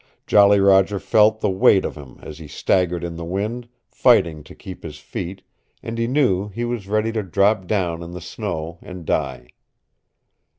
Jolly Roger felt the weight of him as he staggered in the wind, fighting to keep his feet, and he knew he was ready to drop down in the snow and die.